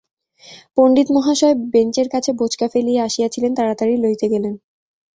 পণ্ডিতমহাশয় বেঞ্চের কাছে বোঁচকা ফেলিয়া আসিয়াছিলেন, তাড়াতাড়ি লইতে গেলেন।